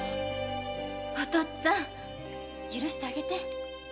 お父っつぁん許してあげて。